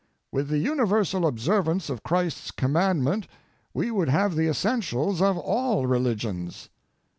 Harding the universal observance of Christ's commandment we would have the essentials of all religions.